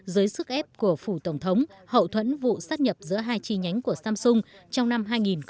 dưới sức ép của phủ tổng thống hậu thuẫn vụ sát nhập giữa hai chi nhánh của samsung trong năm hai nghìn một mươi tám